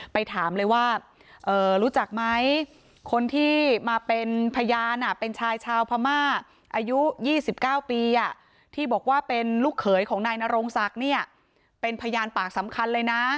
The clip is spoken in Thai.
ไปถามเลยว่ารู้จักไหมคนที่มาเป็นพยานเป็นชายชาวพม่าอายุ๒๙ปีที่บอกว่าเป็นลูกเขยของนายนโรงศักดิ์เนี่ยเป็นพยานปากสำคัญเลยนะ